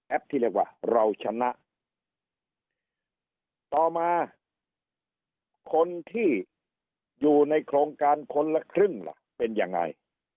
ที่เรียกว่าเราชนะต่อมาคนที่อยู่ในโครงการคนละครึ่งล่ะเป็นยังไง